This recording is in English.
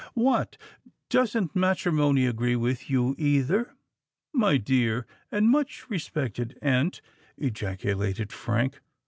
"What! doesn't matrimony agree with you, either, my dear and much respected aunt?" ejaculated Frank.